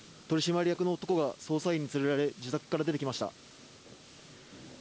取締役の男が捜査員に連れられ、自宅から出てきました。